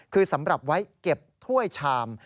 คือสำหรับไว้เก็บถ้วยชาม